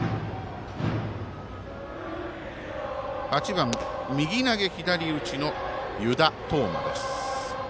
８番、右投げ左打ちの湯田統真。